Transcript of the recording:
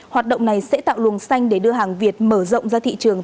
hoạt động này sẽ tạo luồng xanh để đưa hàng việt mở rộng ra thị trường